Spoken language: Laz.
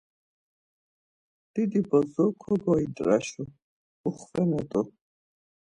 Didi bozo kogointraşu, uxvene t̆u.